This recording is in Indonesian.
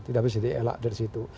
tidak bisa jadi elak dari situ